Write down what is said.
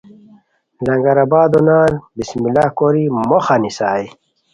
لنگر آبادو نان بِسم اللہ کوری موخہ نیسائے